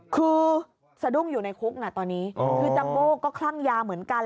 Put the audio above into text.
คือสะดุ้งอยู่ในคุกตอนนี้คือจัมโบ้ก็คลั่งยาเหมือนกัน